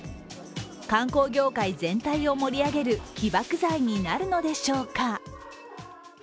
観光業界全体を盛り上げる起爆剤になるのでしょうか。